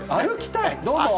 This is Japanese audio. どうぞ。